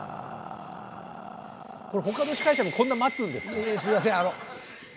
他の司会者もこんな待つんですか？